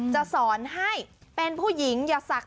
จะสอนให้เป็นผู้หญิงอย่าศักดิ